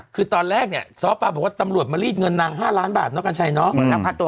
คือตอนแรกเนี่ยซ้อปลาบอกว่าตำรวจมารีดเงินนาง๕ล้านบาทเนาะกัญชัยเนาะ